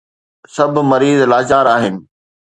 سڀ مريض لاچار آهن.